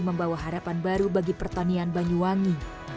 membawa harapan baru bagi pertanian banyuwangi